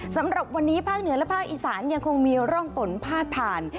สำหรับวันนี้ภาคเหนือและภาคอีสานยังคงมีร่องฝนพาดผ่าน